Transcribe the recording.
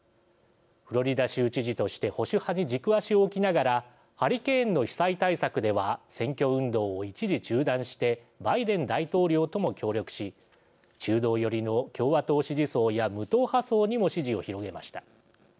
フロリダ州知事として保守派に軸足を置きながらハリケーンの被災対策では選挙運動を一時中断してバイデン大統領とも協力し中道寄りの共和党支持層や無党派層にも支持を広げました。